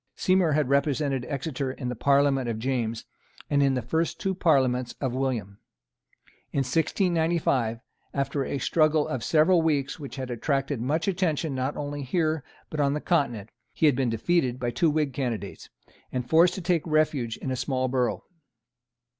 Seymour had represented Exeter in the Parliament of James, and in the two first Parliaments of William. In 1695, after a struggle of several weeks which had attracted much attention not only here but on the Continent, he had been defeated by two Whig candidates, and forced to take refuge in a small borough.